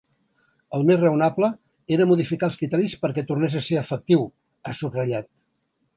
El més raonable era modificar els criteris perquè tornés a ser efectiu, ha subratllat.